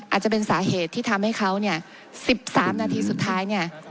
อาจจะเป็นสาเหตุที่ทำให้เขาเนี่ย๑๓นาทีสุดท้ายเนี่ย